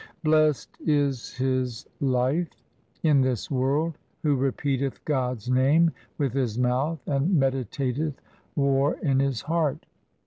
Blest is his life in this world who repeateth God's name with his mouth and meditateth war in his heart.